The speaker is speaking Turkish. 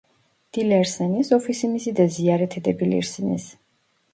Dilerseniz ofisimizi de ziyaret edebilirsiniz